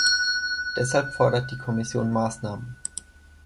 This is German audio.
Deshalb fordert die Kommission Maßnahmen.